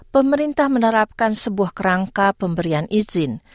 pemerintah menerapkan sebuah kerangka pemberian izin